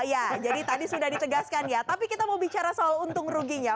iya jadi tadi sudah ditegaskan ya tapi kita mau bicara soal untung ruginya